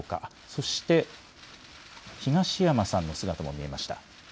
そして、東山さんの姿も見えました。